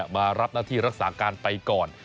มารับหน้าที่รักษาการไปก่อน